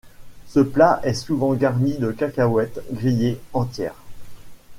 Ce plat est souvent garni de cacahuètes grillées entières.